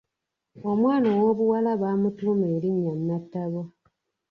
Omwana owobuwala baamutuuma erinnya Natabo.